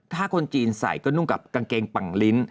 ถ้าคนจีนใส่ก็นุ่งกับกางเกงปังลิ้น